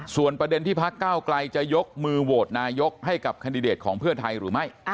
ส่วนประเด็นที่พักเก้าไกลจะยกมือโหวตนายกให้กับแคนดิเดตของเพื่อไทยหรือไม่